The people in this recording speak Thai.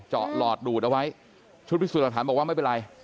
หลอดดูดเอาไว้ชุดพิสูจน์หลักฐานบอกว่าไม่เป็นไร